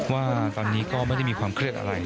ว่าตอนนี้ก็ไม่ได้มีความเครียดอะไร